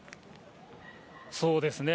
そうですね。